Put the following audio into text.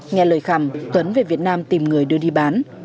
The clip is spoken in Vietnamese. nghe lời khẩm tuấn về việt nam tìm người đưa đi bán